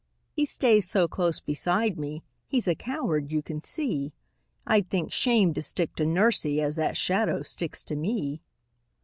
He stays so close beside me, he's a coward you can see; I'd think shame to stick to nursie as that shadow sticks to me!